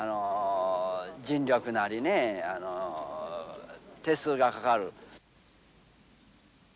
人力なりね手数がかかる。